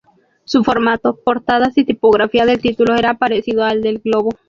Su formato, portadas y tipografía del título era parecido al de El Globo.